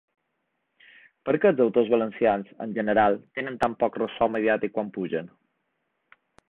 Per què els autors valencians, en general, tenen tan poc ressò mediàtic quan ‘pugen’?